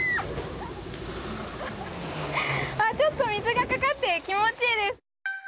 ちょっと水がかかって気持ちいいです。